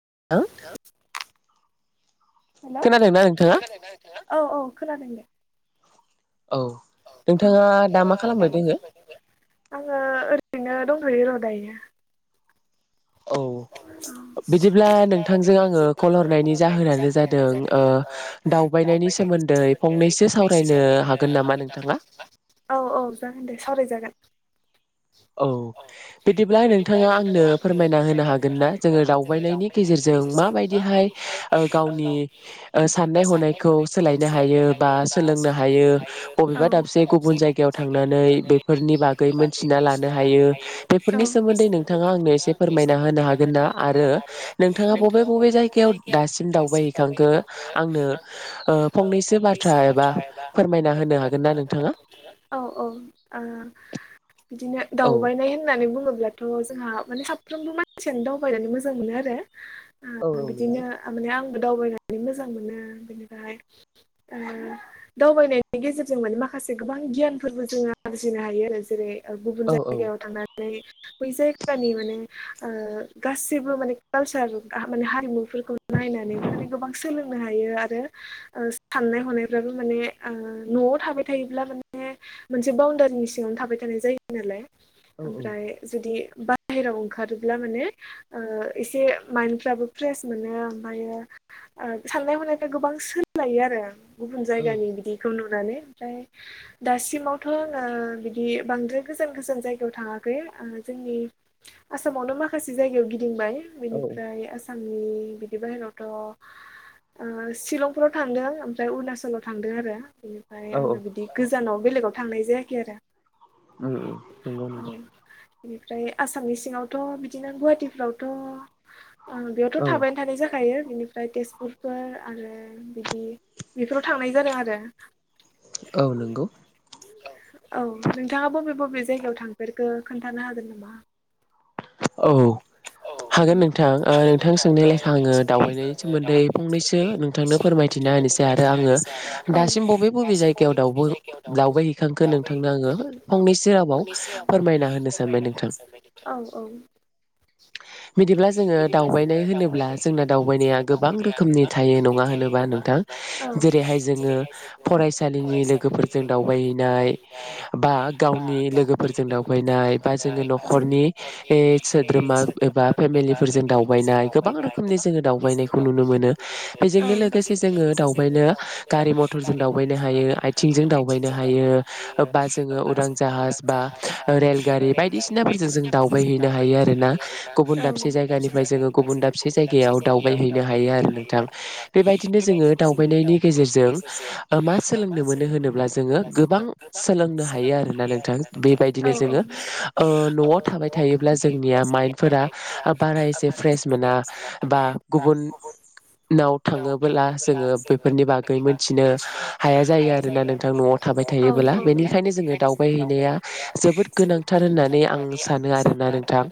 [unintelligible] हेल' खोनादोंना नोंथाङा खोनादोंना नोंथाङा? औ औ खोनादों दे औ औ औ नोंथाङा दा मा खालामबाय दोङो? आङो ओरैनो दं ओरैनो दायो। औ [unintelligible] बिदिब्ला नोंथांजों आङो फन हरनायनि जाहोनानो जादों ओ फैनायनि सोमोन्दै फंनैसो सावरायनो हागोन नामा नोंथाङा? औ औ जागोन दे सावरायजागोन औ बिदिब्ला नोंथाङा आंनो फोरमायना होनो हागोन ना जोङो दावबायनायनि गेजेरजों माबायदिहाय ओ गावनि ओ साननाय हनाय खौ सोलायनो हायो बा सोलोंनो हायो औ बबेबा औ दाबसे गुबुन जायगायाव थांनानै बेफोरनि बागै मोनथिना लानो हायो। बेफोरनि सोमोन्दै नोंथाङा आंनो एसे फोरमायना होनो हा गोनना आरो नोंथाङा बबे बबे जायगायाव दासिम दावबायहैखांखो आंनो [unintelligible] ओ फंनैसो बाथ्रा एबा फोरमायना होनो हागोन ना नोंथाङा? औ औ [unintelligible] ओ बिदिनो औ दावबायनाय होननानै बुङोब्लाथ' जोंहा माने साफ्रोमबो मा मानसिनो दावबायनानै मोजां मोनो आरो औ औ नंगौ बिदिनो माने आं दावबायनानै मोजां मोनो बेनिफ्राय ओ दावबायनायनि गेजेरजों माने माखा माखासे गोबां गियानफोरबो जोङो आरजिनो हायो आरो जेरै- गुबुन औ औ जायगायाव थांनानै बै जायगानि माने ओ गासिबो माने कालसार माने हारिमुफोरखौ नायनानैबो माने गोबां सोलोंनो हायो। हायो आरो ओ साननाय हनायफ्राबो माने ओ न'आव थाबाय थायोब्ला माने मोनसे बाउण्डारिनि सिङावनो थाबाय थानाय जायो नालाय। ओमफ्राय औ जुदि बाहेरायाव ओंखारो ब्ला मोने ओ एसे माइण्ड फोराबो फ्रेस मोनो आमफ्रायो ओ सानाय हनायफ्रा गोबां सोलायो आरो गुबुन जायगानि औ बिदिखौ नु नानै ओमफ्राय दासिमावथ' ओ बिदि बांद्राय गोजान गोजान जायगायाव थाङाखै। जोंनि आसामावनो माखासे जायगायाव गिदिंबाय औ बेनिफ्राय आसाम उम बिदि बाहेरावथ' ओ शिलंफोराव थांदों ओमफ्राय अरुणाचलाव थांदों आरो। बेनिफ्राय औ उम आंना बिदि गोजानाव बेलेगाव थांनाय जायाखै आरो। उम उम नंगौ नोंगौ। औ बेनिफ्राय आसामनि सिङावथ' बिदिनो गुवाहाटिफ्रावथ' ओ औ बेयावथ' थाबायनो थानाय जाखायो। बेनिफ्राय तेजपुरफोर आरो बिदि बेफोराव थांनाय जादों आरो। औ नंगौ औ नोंथाङा बबे बबे जायगायाव थांफेरखो खोन्थानो हागोन नामा? औ हागोन नोंथां ओ नोंथां सोंनाय लेयखा आङो दावबायनायनि सोमोन्दै फंनैसो नोंथांनो फोरमायथिना होनो सै आरो आङो दासिम बबे बबे जायगायाव दाव- दावबायहैखांखो नोंथांनो आङो फंनैसो ओ रावाव फंनैसो रावाव फोरमायना होनो सानबाय फोरमायना नोंथां होनो सानबायदि औ औ। [inaudible] बिदिब्ला जोङो दावबायनाय होनोब्ला जोंना दावबायनाया गोबां रोखोमनि थायो नङा होनोबा नोंथां जेरैहाय जोङो फरायसालिनि लोगोफोरजों दावबायहैनाय बा गावनि लोगोफोरजों दावबायनाय बा जोङो न'खरनि सोद्रोमा एबा फेमिलिफोरजों दावबायनाय गोबां रोखोमनि जोङो दावबायनायखौ नुनो मोनो बेजोंनो लोगोसे जोङो दावबायनो गारि मथरजों दावबायनो हायो आथिंजों दावबायनो हायो बा जोङो उरां जाहाज बा रेलगारि बायदिसिनाफोरजों जों दावबायहैनो हायो आरोना। गुबुन दाबसे जायगानिफ्राय जोङो गुबुन दाबसे जायगायाव दावबाय हैैनो हायो आरो नोंथां। बेबायदिनो जों दावबानायनि गेजेरजों मा सोलोंनो मोनो होनोब्ला जोङो गोबां सोलोंनो हायो आरोना नोंथां बेबायदिनो जोङो ओ न'आव थाबाय थायोब्ला जोंनिया माइन्द फोर बारा एसे फ्रेस मोना बा गुबुन नाव थाङोबोला जोङो बेफोरनि बागै मोनथिनो हाया जायो आरोना नोंथां न'आव था बाय थायोबोला बेनिखायनो जोङो दावबाय हैैनाया जोबोद गोनांथार होननानै आं सानो आरो। होनना नोंथां।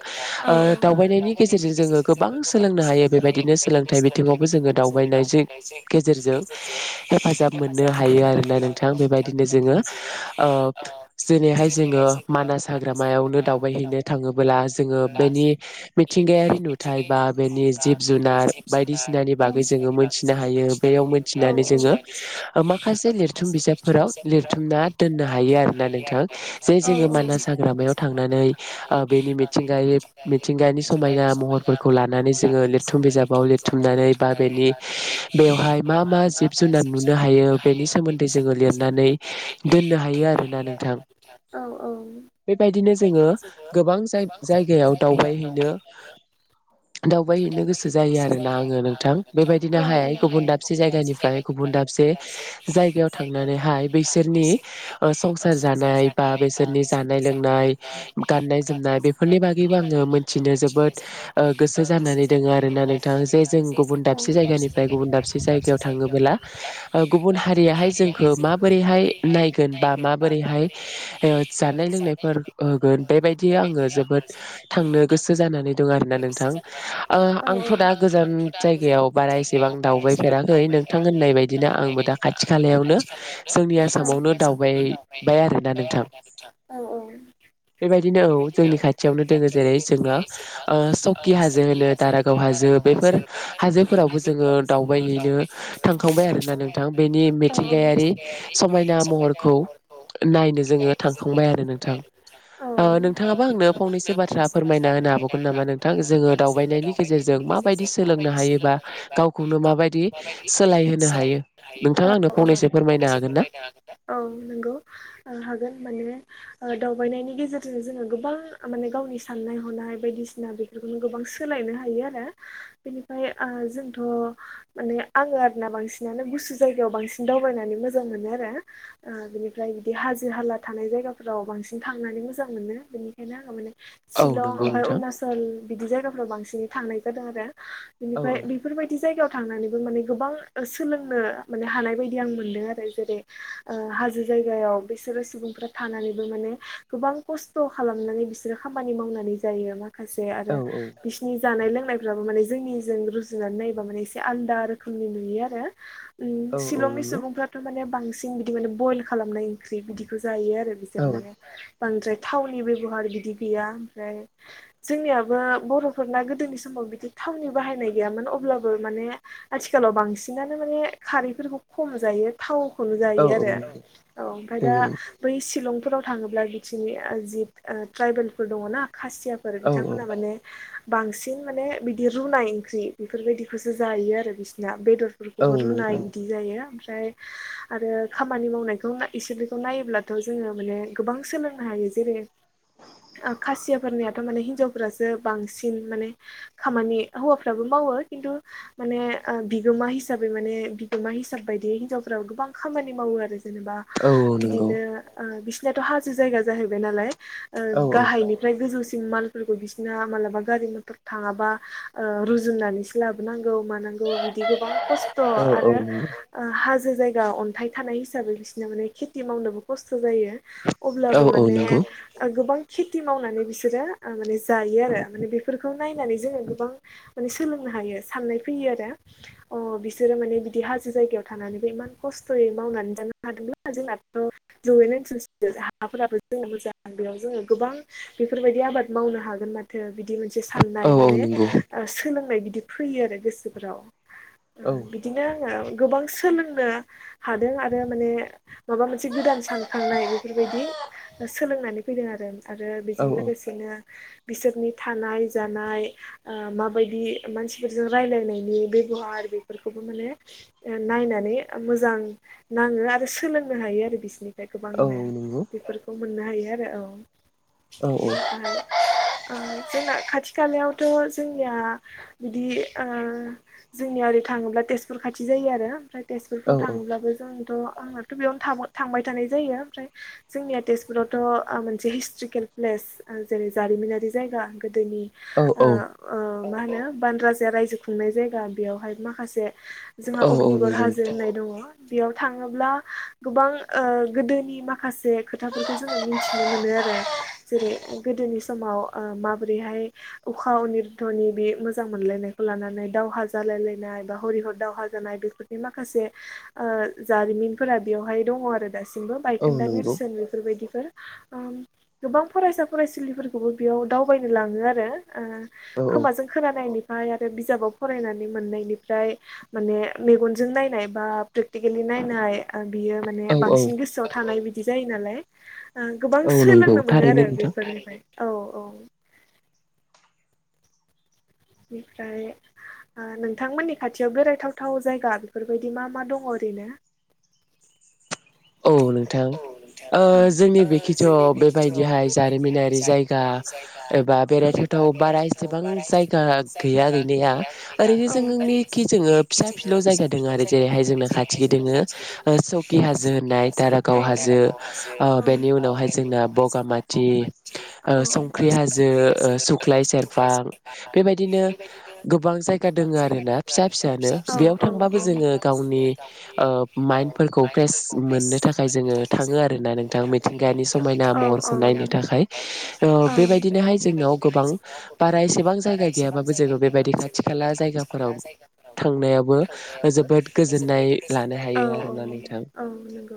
औ ओ दावबायनायनि गेजेरजों जोङो गोबां सोलोंनो हायो बेबायदिनो सोलोंथाइ बिथिङावबो जोङो दावबायनायजों गेजेरजों हेफाजाब होनो हायो आरो दा नोंथाङां बेबायदिनो जोङो ओ जेरैहाय जोङो मानास हाग्रामायावनो दावबायहैनो थाङोब्ला जोङो बेनि मिथिंगायारि नुथाय बा बेनि जिब जुनार बायदिसिनानि बागै जोङो मोन नोहायो बेयाव मोनथिनानै जोङो माखासे लिरथुम बिजाबफोराव लिरथुमना दोन हायो आरोना नोंथां जे जोङो हाग्राम थांनानै मिथिंगानि समायना महरफोरखौ लानानै जोङो लिरथुम बिजाबाव लिरथुमनानै बा बेनि बेवहाय मा मा जिब जुनार नुनो हायो बेनि सोमोन्दै जोङो लिरनानै दोननो हायो आरोना नोंथां औ औ। बेबायदिनो जोङो गोबां जायगायाव दावबायहैनो दावबायहैनो गोसो जायो आरो ना आङो नोंथां बेबायदिनो हाय गुबुन दाबसे जायगानिफ्राय गुबुन दाबसे जायगायाव थांनानैहाय बैसोरनि ओ संसार जानाय बा बेसो रनि जानाय लोंनाय, गाननाय जोमनाय बेफोरनि बागैबो आङो मोनथिनो जोबोद ओ गोसो जानानै दोङो आरोना नोंथां जे जों गुबुन दाबसे जायगानिफ्राय गुबुन दाबसे जायगायाव थाङोबला ओ गुबुन हारियाहाय जोंखो माबोरै हाय नायगोन बा माबोरैहाय ओ जानाय लोंनायफोर होगोन बेबाय दि आङो जोबोद थांनो गोसो जानानै दं आरोना नोंथां आ-आंथ' दा गोजान जायगायाव बारा एसेबां दावबायफेराखै नोंथां होननाय बायदिनो आंबो दा खाथि खालायावनो जोंनि आसामावनो औ दावबायबाय आरोना नोंथां। औ औ। बिदिनो औ जोंनि खाथियावनो दोङो जेरै जोंङा सकि हाजो होनो दारागाव हाजो बेफोर हाजोफोरावबो जोङो दावबायैनो थांखांबाय आरोना नोंथां बेनि मिथिंगायारि समायना महरखौ नायनो जोङो थांखांबाय आरो नोंथां। ओ नोंथाङाबो आंनो फंनैसो औ। बाथ्रा फोरमायना होनो हाबावगोन नामा नोंथां औ। जोङो दावबायनायनि गेजेरजों माबायदि औ सोलोंनो हायोबा गावखौनो माबायदि औ सोलायहोनो हायो नोंथाङा नंगौ आंनो फंनैसो फोरमायनो ना हागोन माने ओ दावबायनायनि गेजेर रजों जोङो गोबां आ माने गावनि साननाय हनाय बायदिसिना बेफोरखौनो गोबां सोलायनो हायो आरो। बेनिफ्राय ओ जोंथ' माने आङो आरोना बांसिनानो गुसु जायगायाव बांसिन दावबाय नानै मोजां मोनो आरो ओ बेनिफ्राय बिदि हाजो हाला थानाय जायगाफोराव बांसिन थांनानै मो जां मोनो बेनिखायनो आङो माने औ शिलं नंगौ ओमफ्राय नोंथां अरुणाचल बिदि जायगाफोराव बांसिनै थांनाय जादों आरो औ बिनिफ्राय बेफोरबायदि जायगायाव थांनानैबो माने गोबां सोलोंनो माने हानाय बायदि आं मोन्दों आरो जेरै ओ हाजो जायगायाव बिसोरो सुबुंफोरा थानानैबो माने गोबां खस्थ' खालामनानै बिसोरो खामानि मावनानै जायो माखासे आरो औ औ बिसनि जानाय लोंनाय फ्राबो माने जोंनिजों रुजुनानै नायोबा माने एसे आलादा रोखोमनि नुयो आरो। उम औ औ शिलंनि नंगौ सुबुंफ्राथ' माने बांसिन बिदि माने बयल खालामनाय ओंख्रि बिदिखौ जायो आरो। औ बिसोर माने औ बांद्राय थावनि बेब'हार बिदि गैया ओमफ्राय जोंनियाबो बर'फोरना गोदोनि समाव बिदि थावनि बाहायनाय गैयामोन अब्लाबो माने आथिखालाव बांसिनानो माने खारैफोरखौ खम जायो थावखौनो जायो औ आरो नंगौ औ ओमफ्राय दा नंगौ नंगौ बै शिलंफोराव थाङोब्ला बिसिनि ओ जि ओ ट्राइबेलफोर दङना खासियाफोर औ बिथांमोनहा माने बांसिन माने बिदि रुनाय ओंख्रि बेफोरबायदिखौसो जायो आरो बिसना। औ बेदरफोरखौबो नंगौ रुनाय बिदि नोंथां जायो। ओमफ्राय आरो खामानि मावनायखौ इसोर बेखौ नायोब्लाथ' जोङो माने गोबां सोलों नो हायो जेरै ओ खासियाफोरनियाथ' माने हिनजावफोरासो बांसिन माने खामानि हौवाफ्राबो मा वो खिनथु माने ओ बिगोमा हिसाबै माने बिगोमा हिसाब बायदियै हिनजावावफोराबो गोबां खामानि मावो आरो जेनेबा औ औ नंगौ बिदिनो ओ बिसनाथ' हाजो जायगा जाहैबाय नालाय। ओ औ गाहायनिफ्राय गोजौसिम मालफोरखौ बिसिना मालाबा गारि मथर थाङाबा ओ रुजुननानैसो लाबोनांगौ। मानांगौ गोबां खसथ' औ औ आरो नंगौ हाजो जों जायगा अन्थाइ थानाय हिसाबै बिसोरना माने खेथि मावनोबो खस्थ' जायो अब्ला औ बो औ माने नंगौ ओ गोबां खेथि मावनानै बिसोरो ओ माने जायो आरो माने बेफोरखौ नायनानै जोङो गोबां माने सोलोंनो हायो साननाय फैयो आरो अह बिसोरो माने बिदि हाजो जायगायाव थानानैबो इमान खस्थ' यै मावनानै जानो हादोंब्ला जोंनाथ' जौयेन ओनसोलसो। हाफोराबो जोंना मोजां जोङो मोजां बेयाव जोङो गोबां बेफोरबायदि आबाद मावनो हागोन माथो बि दि मोनसे औ साननाय औ माने नंगौ ओ सोलोंनाय बिदि फैयो आरो गोसोफोराव। औ बिदिनो आङो गोबां सोलोंनो हादों आरो माने माबा मोनसे गोदान सानखांनाय बेफोरबायदि सोलोंनानै फैदों आरो आरो औ बेजों लोगोसेनो बिसोरनि थानाय जानाय ओ माबायदि मानसिफोरजों रायलायनायनि बे बहार बेफोरखौबो माने नायनानै मोजां नाङो आरो सोलोंनो हायो। आरो बिसोरनिफ्राय औ गोबांनो नंगौ बेफोरखौ मोननो हायो आरो औ औ औ बेनिफ्राय ओ जोंना खाथि खाथि खालायावथ' जोंनिया बिदि ओ जोंनिया ओरै थाङोब्ला तेजपुर खाथि जायो जायो आरो ओमफ्राय तेजपुरफ्राव थाङोब्लाबो जोंथ' आंनाथ' बेयावनो थांबाय थानाय जायो ओमफ्राय जोंनिया तेजपुरावथ' ओ मोनसे हिस्ट'रिकेल प्लेस जेरै जारिमिनारि जायगा गोदोनि औ ओ ओ मा होनो बान राजाया रायजो खुंनाय जायगा बेयावहाय माखासे जोंहा औ औ अग्निगर नंगौ हाजो नोंथां होननाय दङ। बेयाव थाङोब्ला गोबां ओ गोदोनि माखासे माखासे खोथाफोरखौ जोङो मिथिनो मोनो आरो जेरै गोदोनि समाव ओ माबोरैहाय बे उखा अनिरन्धनि बे मोजां मोनलायनायखौ लानानै दावहा जालायलायनाय बा हरि हर दावहा बोखा जानाय बेफोरनि माखासे ओ जारिमिनफोरा बेयावहाय दङ आरो दासिमबो औ बायखोनदा नंगौ नेरसोन बेफोरबायदि ओ ओम गोबां फरायसा फरायसुलिफोरखौबो बेयाव दावबायनो लाङो आरो ओ औ खोमाजों खोनानायनि ओमफ्राय आरो बिजाबाव फरायनानै मोननायनिफ्राय माने मेगनजों नायनाय बा प्रेक्टिकेलि नायनाय ओ बियो माने औ औ बांसिन गोसोआव थानाय बिदि जायो नालाय ओ गोबां औ नंगौ सोलोंनो मोनो थारैनो आरो नोंथां बेफोरनिफ्राय औ-औ बेनिफ्राय नोंथांमोननि खाथियाव बेरायथावथाव जायगा बेफोरबायदि मा मा दङ ओरैनो [unintelligible] औ नोंथां ओ जोंनि बेखिथ' बेबायदिहाय जारिमिनारि जायगा एबा बेराय थाव बारा एसेबां जायगा गैया गैनाया ओरैनो जों जोंङो फिसा फि खाथिल' जायगा दङ आरो जेरैहाय जोंना खाथि दोङो ओ सौकि हाजो होननाय दारा गाव हाजो ओ आरो बेनि उनावहाय जोंना बगामाथि संख्रि हाजो ओ ओ सुख्लाय सेरफां बेबायदिनो गोबां जायगा दोंङो आरोना फिसा फिसा नो बेयाव थांबाबो जोङो गावनि ओ माइनटफोरखौ फ्रेस मोननो थाखाय जों थाङो आरोना नोंथां मिथिंगानि समायना महरखौ नायनो थाखाय ओ बेबायदिनोहाय जोंनाव बेबायदिनोहाय गोबां जोंनाव गोबां बारा एसेबां बारा जायगा एसेबां गैयाबाबो जोङो जायगा बेबायदि गैयाबाबो जोङो बेबायदि खाथि खाला जायगाफोराव थांनायावो जोबोद गोजोननाय लानो हायो आरोना नोंथां। औ नंगौ।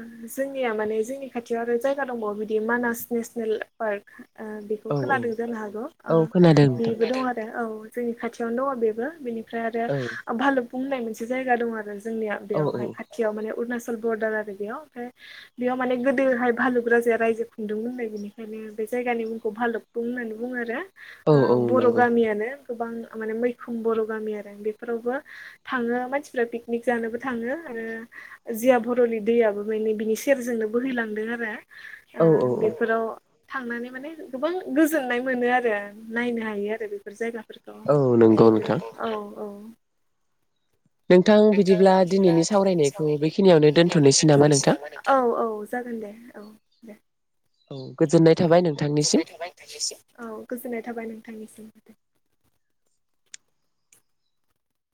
ओम जोंनिया माने जोंनि खाथियाव आरो जायगा दंबावो बिदि मानास नेसनेल पार्क। ओ बेखौ औ औ खोनादों जानो हागौ ओ औ खोनादों नोंथां बेबो दं आरो औ। जोंनि खाथियावनो दङ बेबो बेनिफ्राय आरो औ भालुक बुंनाय मोनसे जायगा दं आरो जोंनिया औ बेयावहाय खाथियाव माने अरुणाचल बरदार आरो बेयाव ओमफ्राय बेयाव माने गोदोहाय भालुक राजाया रायजो खुंदोंमोननो बेनिखायनो बे जायगा जायगानि मुंखौ भालक बुं होननानै बुङो आरो औ ओ औ बर' नंगौ गामियानो गोबां माने मैखोम बर' गामि आरो बेफोरावबो थाङो मानसिफ्रा पिकनिक जानोबो थाङो। ओ जिया हरनि दैयाबो बिनि सेरजोंनो बोहैलांदों आरो ओ औ औ औ बेफोराव थांनानै माने गोबां गोजोननाय मोनो आरो नायनो हायो आरो बेफोर जायगा औव औव औ नंगौ नोंथां जेहुथु औ औ। नोंथां बिदिब्ला दिनैनि सावरायनायखौ बेखिनि बेखिनियावनो दोनथ'नोसै नामा औव औव जागोन दे औव दे औव गोजोननाय थाबाय नोंथांनिसिम। औ गोजोननाय थाबाय नोंथांनिसिमबो